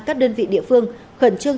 các đơn vị địa phương khẩn trương